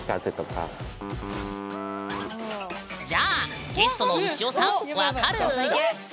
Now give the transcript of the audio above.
じゃあゲストの潮さん分かる？